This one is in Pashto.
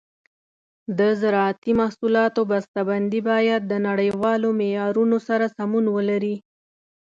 د زراعتي محصولاتو بسته بندي باید د نړیوالو معیارونو سره سمون ولري.